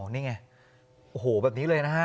นี่ไงโอ้โหแบบนี้เลยนะฮะ